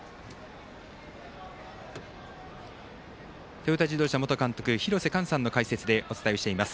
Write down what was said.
トヨタ自動車元監督廣瀬寛さんの解説でお伝えしています。